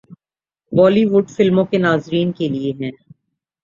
بالی would فلموں کے ناظرین کے لئے ہیں